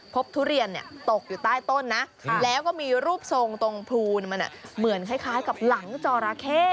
ทุเรียนตกอยู่ใต้ต้นนะแล้วก็มีรูปทรงตรงพลูนมันเหมือนคล้ายกับหลังจอราเข้